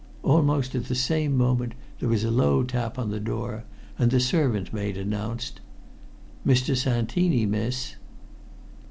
Almost at the same moment there was a low tap at the door, and the servant maid announced: "Mr. Santini, miss."